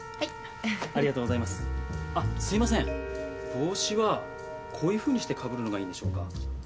帽子はこういうふうにしてかぶるのがいいんでしょうか？